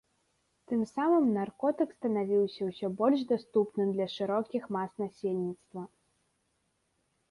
Тым самым наркотык станавіўся ўсё больш даступным для шырокіх мас насельніцтва.